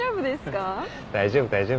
大丈夫大丈夫。